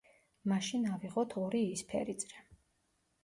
მაშინ ავიღოთ ორი იისფერი წრე.